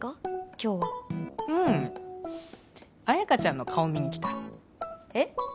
今日はうん綾華ちゃんの顔見に来たえっ？